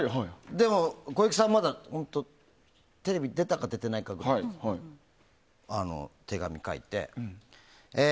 でも、小雪さんはまだテレビ出たか出てないかぐらいの時に手紙を書いて。